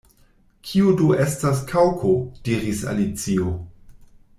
“Kio do estas Kaŭko?” diris Alicio.